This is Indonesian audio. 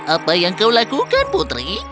apa yang kau lakukan putri